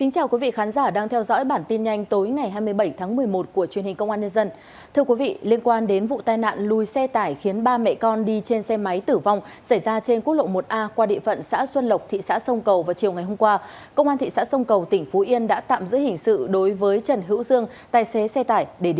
các bạn hãy đăng ký kênh để ủng hộ kênh của chúng mình nhé